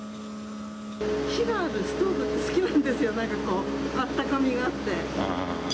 火があるストーブって好きなんですよ、なんかこう、あったかみがあって。